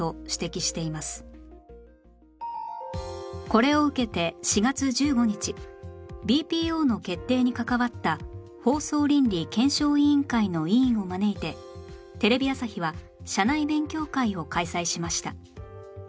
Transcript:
これを受けて４月１５日 ＢＰＯ の決定に関わった放送倫理検証委員会の委員を招いてテレビ朝日は社内勉強会を開催しました